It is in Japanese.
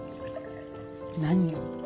何を？